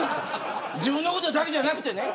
自分のことだけじゃなくてね。